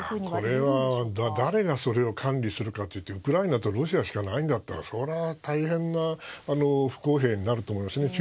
これは誰がそれを管理するかといったらウクライナとロシアしかないんだったら大変な不公平になると思います。